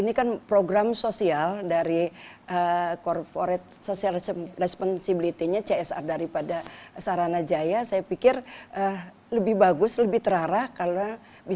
dan bersama kami indonesia forward masih akan kembali sesaat lagi